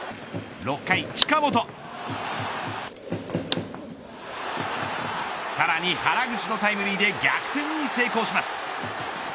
６回、近本さらに原口のタイムリーで逆転に成功します。